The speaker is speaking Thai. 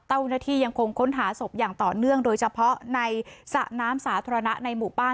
ยังคงค้นหาศพอย่างต่อเนื่องโดยเฉพาะในสระน้ำสาธารณะในหมู่บ้าน